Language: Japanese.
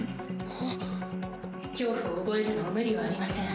恐怖を覚えるのも無理はありません。